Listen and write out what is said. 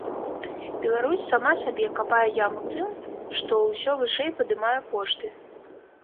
Беларусь сама сабе капае яму тым, што ўсё вышэй падымае кошты.